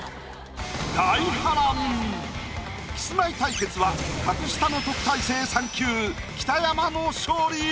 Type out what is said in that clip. キスマイ対決は格下の特待生３級北山の勝利！